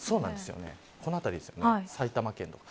この辺りですよね、埼玉県とか。